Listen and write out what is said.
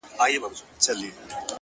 سکون له دننه پیدا کېږي